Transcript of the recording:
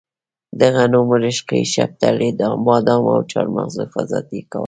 د غنمو، رشقې، شپتلې، بادامو او چارمغزو حفاظت یې کاوه.